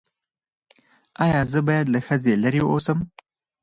ایا زه باید له ښځې لرې اوسم؟